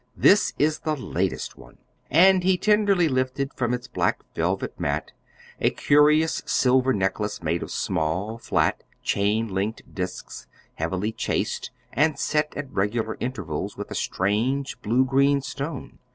This is the latest one." And he tenderly lifted from its black velvet mat a curious silver necklace made of small, flat, chain linked disks, heavily chased, and set at regular intervals with a strange, blue green stone.